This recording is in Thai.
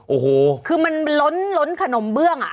โอ้โหคือมันล้นขนมเบื้องอ่ะ